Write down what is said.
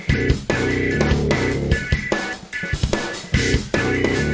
เอาละมาพ่อมูนอีดดว่า